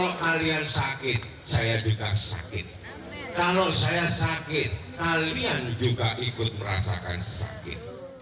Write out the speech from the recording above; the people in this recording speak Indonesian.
kalau kalian sakit saya juga sakit kalau saya sakit kalian juga ikut merasakan sakit